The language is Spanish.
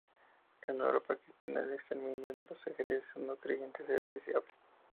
En la Europa cristiana, el exterminio de los herejes o "no creyentes" era deseable.